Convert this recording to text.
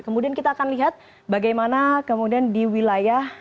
kemudian kita akan lihat bagaimana kemudian di wilayah